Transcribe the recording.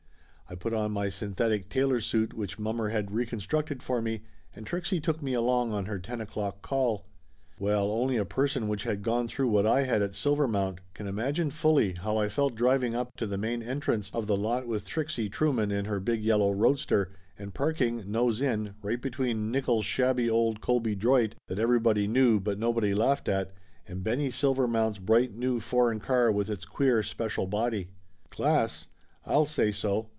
I put on my synthetic tailor suit which mommer had reconstructed for me, and Trixie took me along on her ten o'clock call. Well, only a person which had gone through what I had at Silvermount can imagine fully how I felt driv ing up to the main entrance of the lot with Trixie True man in her big yellow roadster and parking, nose in, right between Nickolls' shabby old Colby Droit that everybody knew but nobody laughed at, and Benny Silvermount's bright new foreign car with its queer special body. Class? I'll say so!